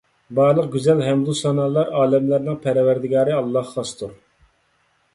بارلىق گۈزەل ھەمدۇسانالار ئالەملەرنىڭ پەرۋەردىگارى ئاللاھقا خاستۇر